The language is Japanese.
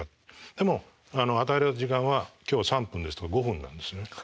でも与えられた時間は今日は３分ですとか５分なんですよね。